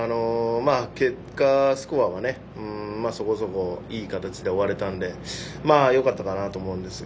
結果、スコアはそこそこいい形で終われたのでよかったかなと思うんですが。